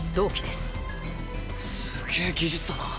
すげぇ技術だな。